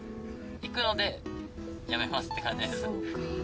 行くので辞めますって感じで。